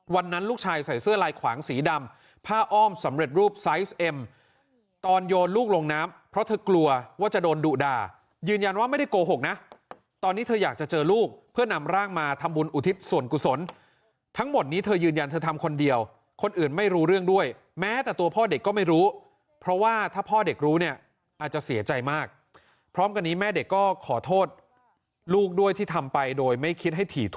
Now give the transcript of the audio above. วันนั้นลูกชายใส่เสื้อลายขวางสีดำผ้าอ้อมสำเร็จรูปไซส์เอ็มตอนโยนลูกลงน้ำเพราะเธอกลัวว่าจะโดนดุด่ายืนยันว่าไม่ได้โกหกนะตอนนี้เธอยากจะเจอลูกเพื่อนำร่างมาทำบุญอุทิศส่วนกุศลทั้งหมดนี้เธอยืนยันเธอทำคนเดียวคนอื่นไม่รู้เรื่องด้วยแม้แต่ตัวพ่อเด็กก็ไม่รู้เพราะว่าถ้าพ่อเด็กรู้เนี่